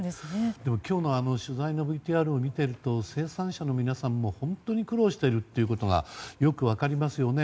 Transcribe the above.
でも、今日の取材のＶＴＲを見ていると生産者の皆さんも本当に苦労していることがよく分かりますよね。